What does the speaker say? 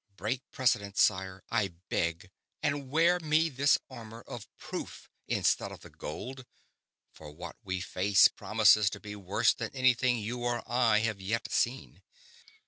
Break precedent, sire, I beg, and wear me this armor of proof instead of the gold; for what we face promises to be worse than anything you or I have yet seen."